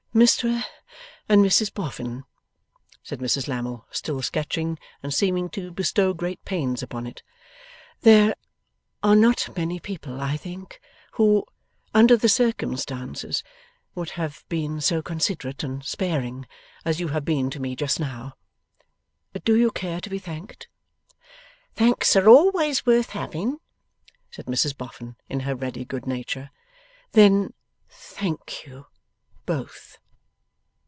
'Mr and Mrs Boffin,' said Mrs Lammle, still sketching, and seeming to bestow great pains upon it, 'there are not many people, I think, who, under the circumstances, would have been so considerate and sparing as you have been to me just now. Do you care to be thanked?' 'Thanks are always worth having,' said Mrs Boffin, in her ready good nature. 'Then thank you both.